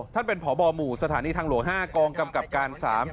ท่านเป็นพบหมู่สถานีทางหลวง๕กองกำกับการ๓